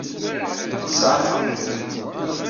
Tesɛa lḥeqq.